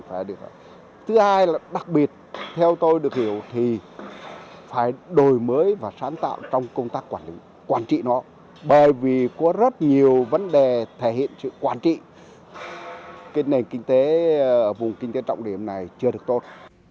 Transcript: và thứ hai là đặc biệt theo tôi được hiểu thì phải đổi mới và sáng tạo trong công tác quản trị nó bởi vì có rất nhiều vấn đề thể hiện sự quản trị cái nền kinh tế vùng kinh tế trọng điểm này chưa được tốt